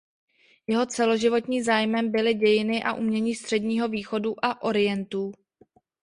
Jeho celoživotním zájmem byly dějiny a umění Středního východu a Orientu.